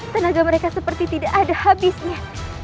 tenaga mereka seperti tidak ada habisnya